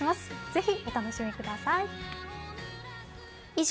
ぜひ、お楽しみにしてください。